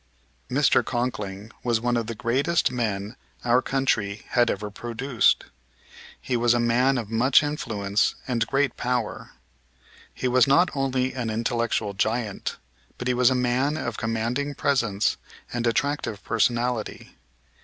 Mr. Conkling was one of the greatest men our country had ever produced. He was a man of much influence and great power. He was not only an intellectual giant, but he was a man of commanding presence and attractive personality.